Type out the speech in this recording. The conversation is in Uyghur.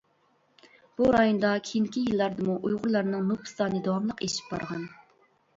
بۇ رايوندا كېيىنكى يىللاردىمۇ ئۇيغۇرلارنىڭ نوپۇس سانى داۋاملىق ئېشىپ بارغان.